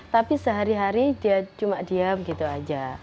tapi sehari hari dia cuma diam gitu aja